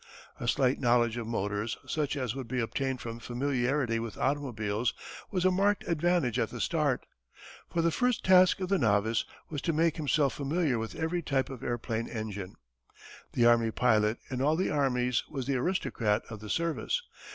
A slight knowledge of motors such as would be obtained from familiarity with automobiles was a marked advantage at the start, for the first task of the novice was to make himself familiar with every type of airplane engine. The army pilot in all the armies was the aristocrat of the service.